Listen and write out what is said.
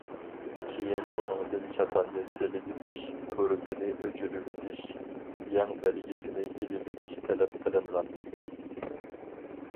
كېيىن، ئۇنىڭدىن چاپاننى سېلىۋېتىش، بۇرۇتىنى ئۆچۈرۈۋېتىش، يەڭ بەلگىسىنى ئېلىۋېتىش تەلەپ قىلىنغان.